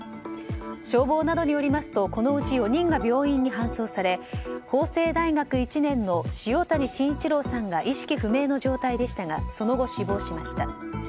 消防などによりますとこのうち４人が病院に搬送され法政大学１年の塩谷真一朗さんが意識不明の状態でしたがその後、死亡しました。